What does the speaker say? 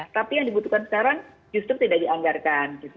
tapi yang dibutuhkan sekarang justru tidak dianggarkan gitu